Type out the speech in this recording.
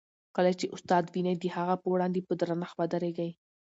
کله چي استاد وینئ، د هغه په وړاندې په درنښت ودریږئ.